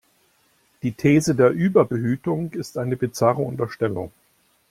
Die These der Überbehütung ist eine bizarre Unterstellung.